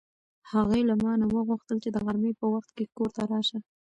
هغې له ما نه وغوښتل چې د غرمې په وخت کې کور ته راشه.